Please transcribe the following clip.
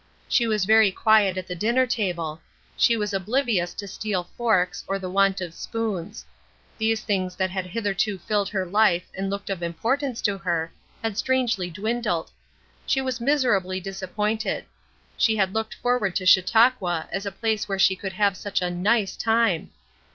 She was very quiet at the dinner table; she was oblivious to steel forks or the want of spoons; these things that had hitherto filled her life and looked of importance to her had strangely dwindled; she was miserably disappointed; she had looked forward to Chautauqua as a place where she could have such a "nice" time.